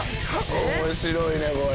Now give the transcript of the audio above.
面白いねこれ。